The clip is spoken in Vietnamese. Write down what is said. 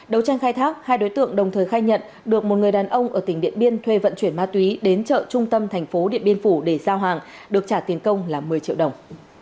đấu tranh khai thác hai đối tượng đồng thời khai nhận được một người đàn ông ở tỉnh điện biên thuê vận chuyển ma túy đến chợ trung tâm thành phố điện biên phủ để giao hàng được trả tiền công là một mươi triệu đồng